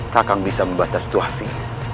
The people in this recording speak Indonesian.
kakak bisa membaca situasi